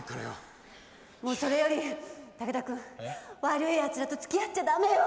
もうそれより武田君悪いやつらとつきあっちゃ駄目よ。